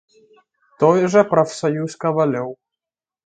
Той жа прафсаюз кавалёў.